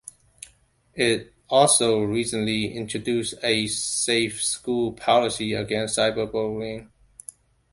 It also recently introduced a "Safe School Policy" against cyber-bullying.